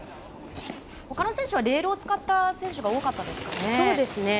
ほかの選手はレールを使った選手が多かったですかね。